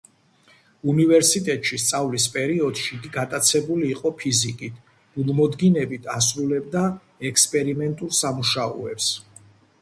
უნივერსიტეტში სწავლის პერიოდში იგი გატაცებული იყო ფიზიკით; გულმოდგინებით ასრულებდა ექსპერიმენტულ სამუშაოებს.